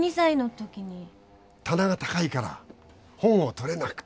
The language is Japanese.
棚が高いから本を取れなくて。